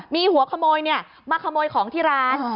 มีหัวขโมยมาขโมยของที่ร้าน